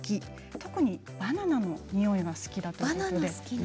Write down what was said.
特にバナナが好きだということです。